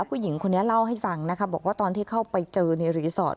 ผู้หญิงคนนี้เล่าให้ฟังนะคะบอกว่าตอนที่เข้าไปเจอในรีสอร์ท